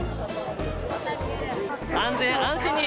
安全安心に！